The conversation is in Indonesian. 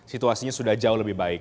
situasinya sudah jauh lebih baik